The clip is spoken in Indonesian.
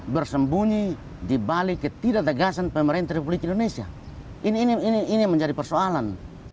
bersembunyi di balik ketidak tegasan pemerintah republik indonesia ini menjadi persoalan